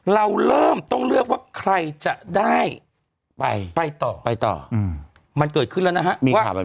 เราเริ่มต้องเลือกว่าใครจะได้ไปไปต่อไปต่อมันเกิดขึ้นแล้วนะฮะ